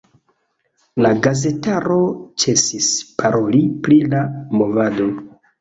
La gazetaro ĉesis paroli pri la movado.